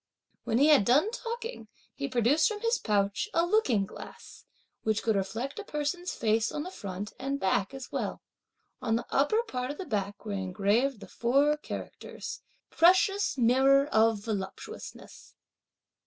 When he had done talking, he produced from his pouch a looking glass which could reflect a person's face on the front and back as well. On the upper part of the back were engraved the four characters: "Precious Mirror of Voluptuousness."